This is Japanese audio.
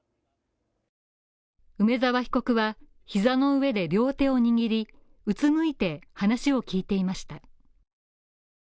梅沢被告は、膝の上で両手を握り、うつむいて話を聞いていました。